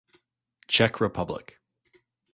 Czech Republic.